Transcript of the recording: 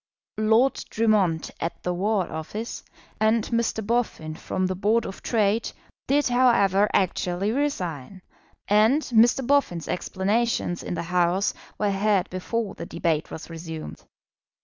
Lord Drummond at the War Office, and Mr. Boffin from the Board of Trade, did, however, actually resign; and Mr. Boffin's explanations in the House were heard before the debate was resumed.